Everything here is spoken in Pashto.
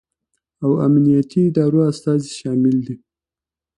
او امنیتي ادارو استازي شامل دي